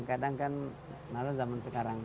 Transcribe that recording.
kadang kan malah zaman sekarang